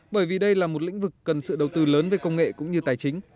bởi vì đây là một lĩnh vực cần sự đầu tư lớn về công nghệ cũng như tài chính